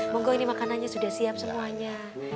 monggo ini makanannya sudah siap semuanya